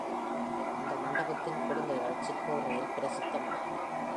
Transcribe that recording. இந்த மண்டபத்தின் கொடுங்கைகள் சிற்ப உலகில் பிரசித்தமானவை.